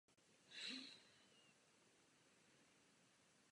Působil jako právník a publicista.